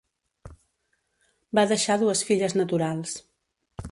Va deixar dues filles naturals.